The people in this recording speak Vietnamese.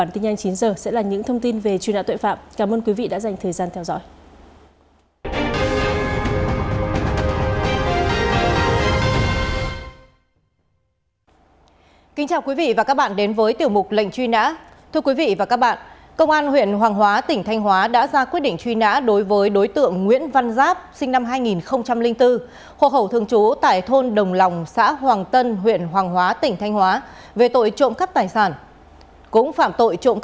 trong phần cuối của bản tin nhanh chín giờ sẽ là những thông tin về truy nã tội phạm